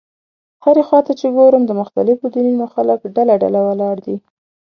هرې خوا ته چې ګورم د مختلفو دینونو خلک ډله ډله ولاړ دي.